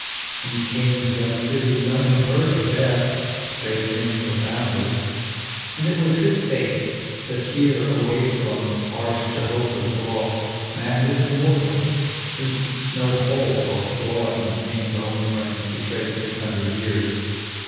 In Cain's young city none had heard of Death Save him, the founder ; and it was his faith That here, away froni harsh Jehovah's law, Man was immortal, since no halt or flaw In Cain's own frame betrayed six hundred years.